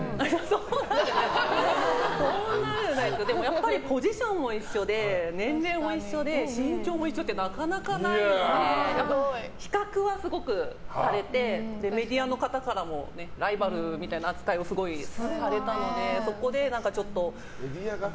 そんなではないですけどポジションも一緒で年齢も一緒で身長も一緒ってなかなかないので比較はすごくされてメディアの方からもライバルみたいな扱いをすごいされたので、そこで。